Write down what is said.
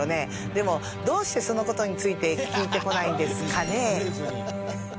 でもどうしてその事について聞いてこないんですカネ？